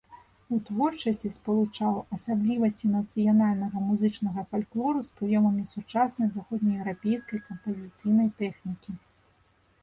У творчасці спалучаў асаблівасці нацыянальнага музычнага фальклору з прыёмамі сучаснай заходнееўрапейскай кампазіцыйнай тэхнікі.